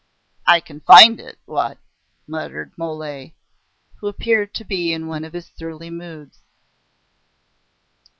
"I can find it, what?" muttered Mole, who appeared to be in one of his surly moods.